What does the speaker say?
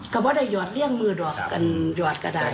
ก็ไม่ได้หยอดเลี่ยงมือหยอดก็ได้